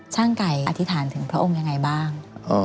ไก่อธิษฐานถึงพระองค์ยังไงบ้าง